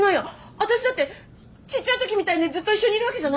私だってちっちゃいときみたいにずっと一緒にいるわけじゃないのよ。